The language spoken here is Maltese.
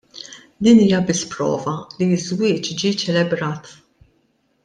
Din hija biss prova li ż-żwieġ ġie ċelebrat.